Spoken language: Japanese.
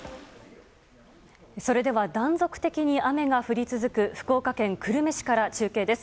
それでは断続的に雨が降り続く福岡県久留米市から中継です。